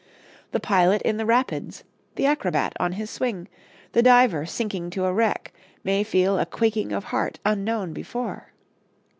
The pilot in the rapids, the acrobat on his swing, the diver sinking to a wreck, may feel a quaking of heart unknown before.